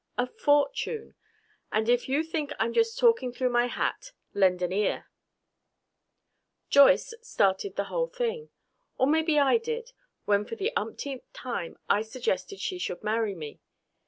A fortune! And if you think I'm just talking through my hat, lend an ear ... Joyce started the whole thing. Or maybe I did when for the umpteenth time I suggested she should marry me.